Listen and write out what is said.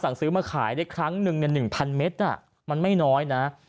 ซื้อมาขายได้ครั้งหนึ่ง๑๐๐เมตรมันไม่น้อยนะ